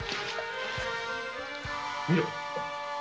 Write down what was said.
見ろ！